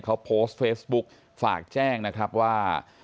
เขาโพสต์เฟซบุ๊กฝากแจ้งนะครับว่า